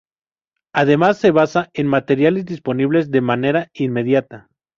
Además, se basa en materiales disponibles de manera inmediata.